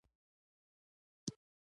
څانګې د یوبل غیږو ته لویږي